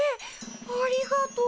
ありがとう。